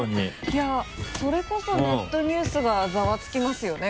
いやそれこそネットニュースがザワつきますよね